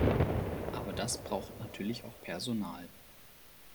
Aber das braucht natürlich auch Personal.